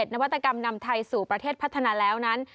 นวัตกรรมนำไทยสู่ประเทศพัฒนาแล้วนั้น